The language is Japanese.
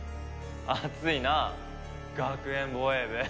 熱いな学園防衛部。